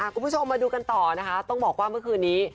คุณผู้ชมมาดูกันต่อนะคะต้องบอกว่าเมื่อคืนนี้